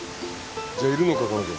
じゃいるのか彼女。